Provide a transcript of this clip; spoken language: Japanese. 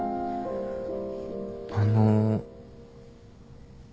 あの。